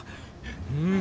うん。